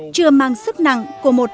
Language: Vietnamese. chưa mang sức nặng của một